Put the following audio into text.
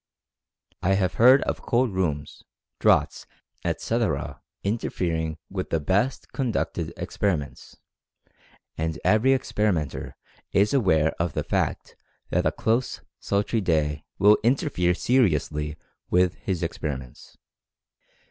I have heard of cold rooms, draughts, etc., interfering with the best 92 Mental Fascination conducted experiments, and every experimenter is aware of the fact that a close, sultry day will interfere seriously with his experiments.